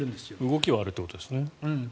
動きはあるということですね。